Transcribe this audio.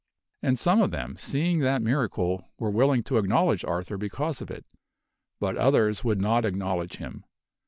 And some of them, seeing that miracle, were willing to acknowledge Arfnur because of it, but others would not acknowl edge him.